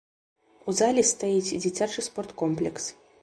У залі стаіць дзіцячы спорткомплекс.